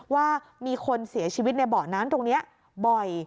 ว่ามีคนเสียชีวิตในเบาะน้ำตรงนี้บ่อย